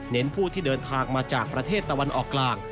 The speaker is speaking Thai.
ผู้ที่เดินทางมาจากประเทศตะวันออกกลาง